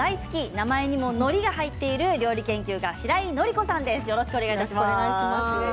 名前にものりが入っている料理研究家しらいのりこさんです。